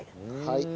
はい。